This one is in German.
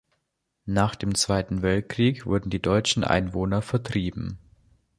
Nach dem Zweiten Weltkrieg wurden die deutschen Einwohner vertrieben.